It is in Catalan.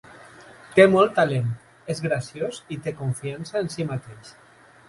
Té molt talent, és graciós i té confiança en si mateix.